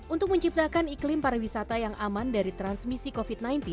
untuk menciptakan iklim pariwisata yang aman dari transmisi covid sembilan belas